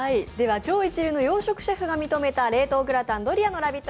超一流洋食のシェフが認めた冷凍食品グラタン・ドリアの「ラヴィット！」